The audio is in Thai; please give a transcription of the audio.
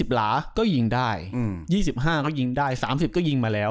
หลาก็ยิงได้๒๕ก็ยิงได้๓๐ก็ยิงมาแล้ว